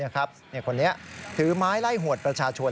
คนนี้ถือไม้ไล่หวดประชาชน